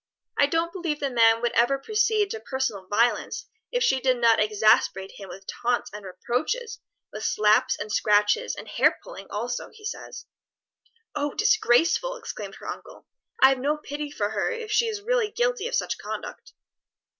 I don't believe the man would ever proceed to personal violence if she did not exasperate him with taunts and reproaches; with slaps, scratches, and hair pulling also, he says." "O disgraceful!" exclaimed her uncle. "I have no pity for her if she is really guilty of such conduct."